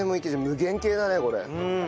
無限系だねこれ。